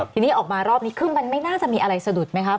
ทีนี้ออกมารอบนี้คือมันไม่น่าจะมีอะไรสะดุดไหมคะ